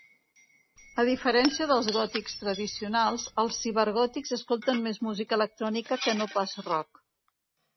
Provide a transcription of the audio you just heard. A diferència dels gòtics tradicionals, els cibergòtics escolten més música electrònica que no pas rock.